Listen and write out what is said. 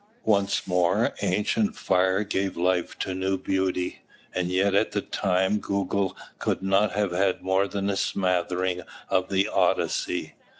Once more ancient fire gave life to new beauty. And yet at the time Gogol could not have had more than a smattering of the "Odyssey."